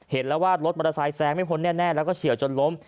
เห็นแล้วว่ารถมอเตอร์ไซค์แซงไม่พ้นแน่แล้วก็เฉียวจนล้ม